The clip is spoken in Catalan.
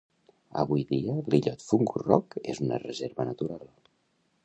Avui dia, l'illot Fungus Rock és una reserva natural.